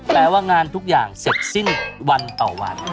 ว่างานทุกอย่างเสร็จสิ้นวันต่อวัน